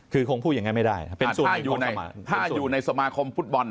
คือคงพูดอย่างนั้นไม่ได้นะครับถ้าอยู่ในสมาคมฟุตบอล